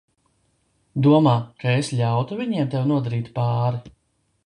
Domā, ka es ļautu viņiem tev nodarīt pāri?